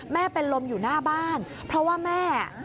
เป็นลมอยู่หน้าบ้านเพราะว่าแม่